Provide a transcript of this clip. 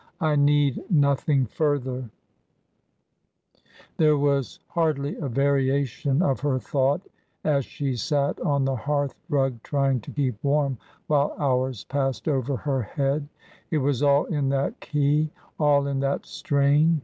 I need nothing further ^ There was hardly a variation of her thought as she sat on the hearth rug trying to keep warm, while hours passed over her head ; it was all in that key, all in that strain.